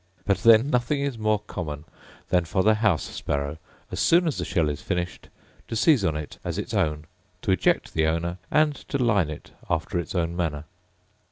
But then nothing is more common than for the house sparrow, as soon as the shell is finished, to seize on it as is own, to eject the owner, and to line it after is own manner.